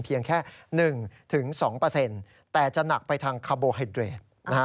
เพียงแค่๑๒แต่จะหนักไปทางคาร์โบไฮเดรด